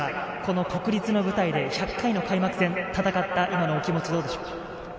国立の舞台で１００回の開幕戦、戦ったお気持ちはどうですか？